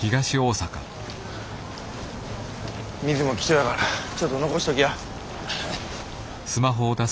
水も貴重やからちょっと残しときや。